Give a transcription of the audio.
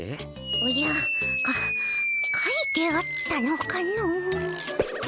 おじゃか書いてあったのかの。